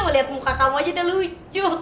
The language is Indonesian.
melihat muka kamu aja udah lucu